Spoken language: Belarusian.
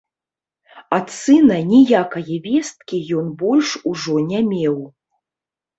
Ад сына ніякае весткі ён больш ужо не меў.